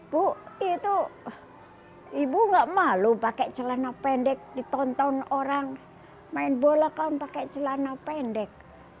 bu itu ibu gak malu pakai celana pendek ditonton orang main bola kan pakai celana pendek